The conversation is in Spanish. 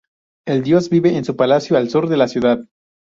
El dios vive en su palacio al sur de la ciudad.